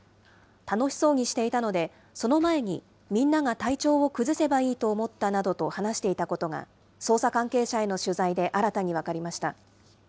楽しそうにしていたので、その前にみんなが体調を崩せばいいと思ったなどと話していたことが、捜査関係者への取材で新たに分かりました。